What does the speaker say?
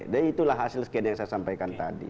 nah itulah hasil skan yang saya sampaikan tadi